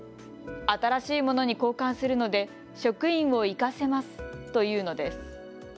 新しいものに交換するので職員を行かせますと言うのです。